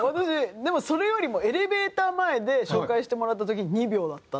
でもそれよりもエレベーター前で紹介してもらった時２秒だった。